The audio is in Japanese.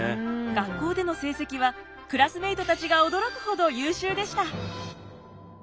学校での成績はクラスメートたちが驚くほど優秀でした。